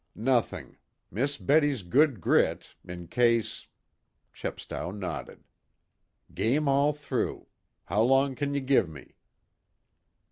"Nothing. Miss Betty's good grit in case ?" Chepstow nodded. "Game all through. How long can you give me?"